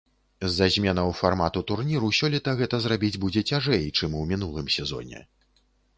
З-за зменаў фармату турніру сёлета гэта зрабіць будзе цяжэй, чым у мінулым сезоне.